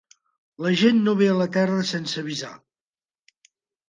La gent no ve a la terra sense avisar